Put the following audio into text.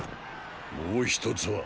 もう一つは？